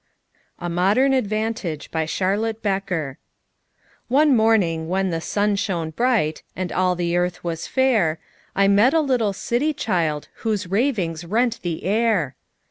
A MODERN ADVANTAGE BY CHARLOTTE BECKER One morning, when the sun shone bright And all the earth was fair, I met a little city child, Whose ravings rent the air.